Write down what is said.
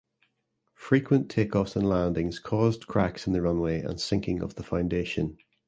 Frequent takeoffs and landings caused cracks in the runway and sinking of the foundation.